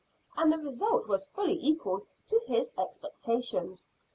And the result was fully equal to his expectations.